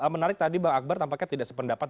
menarik tadi bang akbar tampaknya tidak sependapat